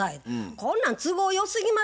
こんなん都合よすぎますやんか。